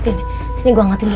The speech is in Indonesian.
ini gue angkatin dulu